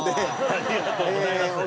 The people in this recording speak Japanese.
ありがとうございます。